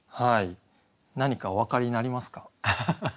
何かお分かりになりますか？